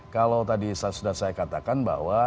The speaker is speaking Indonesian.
kalau tadi sudah saya katakan bahwa